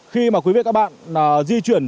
khi mà quý vị các bạn di chuyển